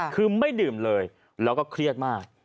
คือไม่ดื่มเลยแล้วก็เครียดมาก